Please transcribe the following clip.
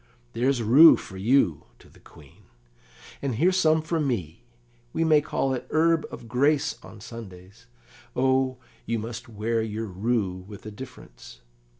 "There's rue for you," to the Queen, "and here's some for me; we may call it herb of grace on Sundays. O, you must wear your rue with a difference.